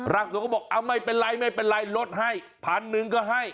รักษัตริย์ก็บอกไม่เป็นไรลดให้พันหนึ่งก็ให้